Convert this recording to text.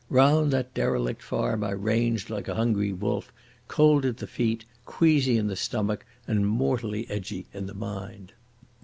Round that derelict farm I ranged like a hungry wolf, cold at the feet, queasy in the stomach, and mortally edgy in the mind.